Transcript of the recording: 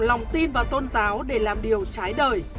lòng tin vào tôn giáo để làm điều trái đời